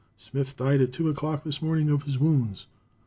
Smith died at 2 o'clock this morning of his wounds.